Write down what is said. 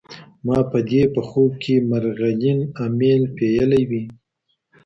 ما به دي په خوب کي مرغلین امېل پېیلی وي